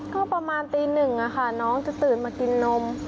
ก็ประมาณตีหนึ่งค่ะน้องจะตื่นมากินนม